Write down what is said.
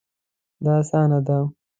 دا اسانه ده